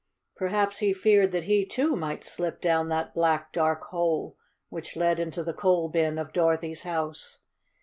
Perhaps he feared that he, too, might slip down that black, dark hole which led into the coal bin of Dorothy's house.